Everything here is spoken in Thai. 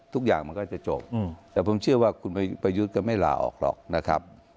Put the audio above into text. ทุกอย่างมันก็จะจบแต่ผมเชื่อว่าคุณประยุทธ์ก็ไม่ลาออกหรอกนะครับ